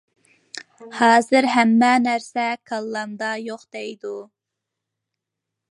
ھازىر ھەممە نەرسە كاللامدا يوق دەيدۇ.